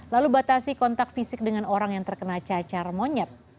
lalu batasi kontak fisik dengan orang yang terkena cacar monyet